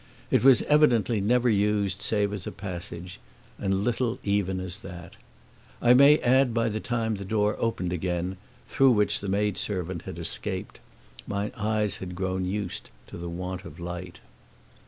It was evidently never used save as a passage, and little even as that. I may add that by the time the door opened again through which the maidservant had escaped, my eyes had grown used to the want of light.